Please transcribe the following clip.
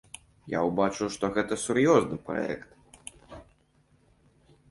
Я ўбачыў, што гэта сур'ёзны праект.